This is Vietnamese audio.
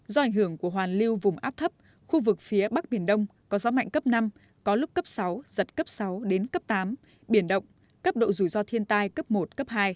do ảnh hưởng của hoàn lưu vùng áp thấp khu vực phía bắc biển đông có gió mạnh cấp năm có lúc cấp sáu giật cấp sáu đến cấp tám biển động cấp độ rủi ro thiên tai cấp một cấp hai